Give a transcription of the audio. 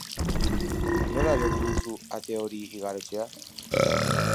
Nola lortu duzu ate hori igarotzea?